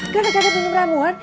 gara gara punya beramuan